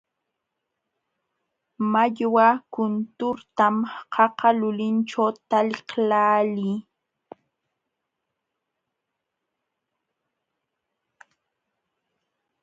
Mallwa kunturtam qaqa lulinćhu taliqlaalii.